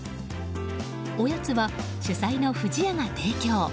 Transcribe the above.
おやつは、主催の不二家が提供。